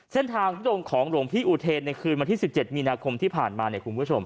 เส้นทางของหลวงพี่อูเทนในคืนวันที่๑๗มีนาคมที่ผ่านมา